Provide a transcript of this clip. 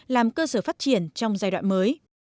làm cơ sở phát triển trong giai đoạn mới